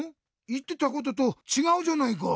いってたこととちがうじゃないか！